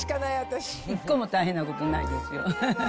一個も大変なことないですよ。